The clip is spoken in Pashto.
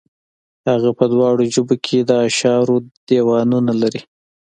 هغه په دواړو ژبو کې د اشعارو دېوانونه لري.